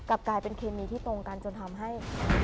กลับกลายเป็นเคมีที่ตรงกันจนทำให้